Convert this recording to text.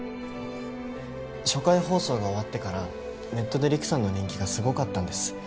初回放送が終わってからネットでりくさんの人気がすごかったんです。